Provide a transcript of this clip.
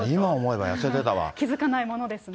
気付かないものですね。